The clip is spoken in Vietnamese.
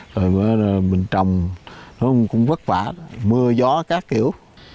rồi mình trồng nó cũng vất vả mưa gió các kiểu